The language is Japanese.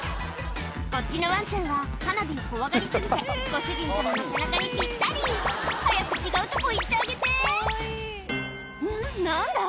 こっちのワンちゃんは花火を怖がり過ぎてご主人様の背中にぴったり早く違うとこ行ってあげてんっ何だ？